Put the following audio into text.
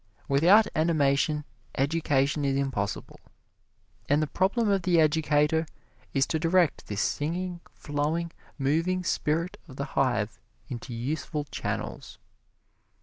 Without animation, education is impossible. And the problem of the educator is to direct this singing, flowing, moving spirit of the hive into useful channels.